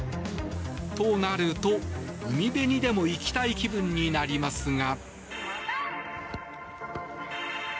となると、海辺にでも行きたい気分になりますが。